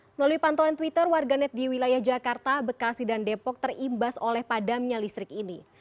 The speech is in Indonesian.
melalui pantauan twitter warganet di wilayah jakarta bekasi dan depok terimbas oleh padamnya listrik ini